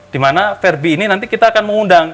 dimana ferbie ini nanti kita akan mengundang